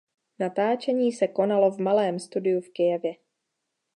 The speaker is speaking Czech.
Natáčení se konalo v malém studiu v Kyjevě.